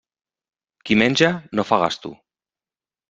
Qui menja, no fa gasto.